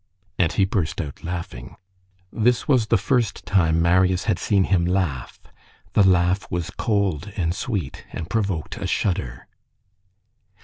And he burst out laughing. This was the first time Marius had seen him laugh. The laugh was cold and sweet, and provoked a shudder.